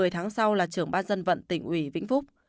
một mươi tháng sau là trưởng ban dân vận tỉnh ủy vĩnh phúc